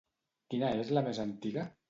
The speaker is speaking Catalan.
Quina és la més antiga?